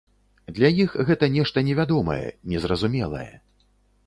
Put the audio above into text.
Для іх гэта нешта невядомае, незразумелае.